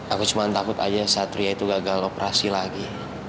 aku cuma takut aja satria itu gagal operasi lagi